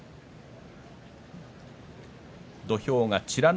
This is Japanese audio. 土俵が美ノ